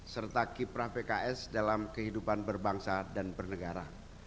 serta kiprah pks dalam kehidupan berbangsa dan bernegara